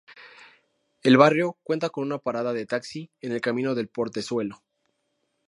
El barrio cuenta con una parada de taxi en el Camino del Portezuelo.